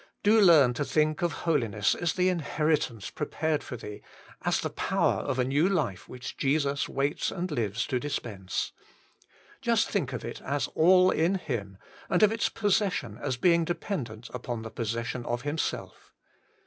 Do learn to think of holiness as the inheritance prepared for thee, as the power of a new life which Jesus waits and lives to dispense. Just think of it as all in Him, and of its possession as being dependent upon the possession of Himself.